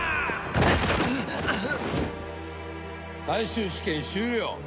最終試験終了。